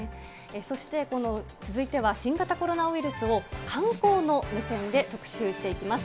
そして続いては新型コロナウイルスを観光の目線で特集していきます。